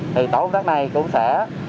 thì tổ công tác này cũng sẽ